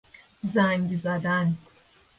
زنگ زدن